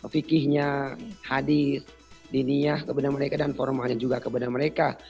semua yang disediakan ada video video dan rikihnya hadis didi ke benar mereka dan formalnya juga ke benar mereka